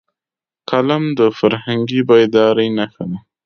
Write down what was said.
قلم د فرهنګي بیدارۍ نښه ده